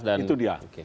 iya itu dia